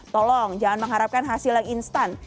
tolong jangan mengharapkan hasil yang instan